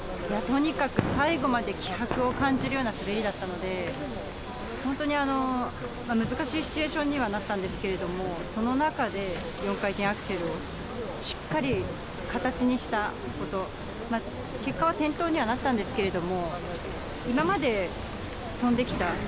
とにかく最後まで気迫を感じるような滑りだったので、本当に難しいシチュエーションにはなったんですけれども、その中で、４回転アクセルをしっかり形にしたこと、結果は転倒にはなったんですけど、今まで跳んできた